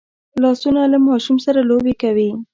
لاسونه له ماشوم سره لوبې کوي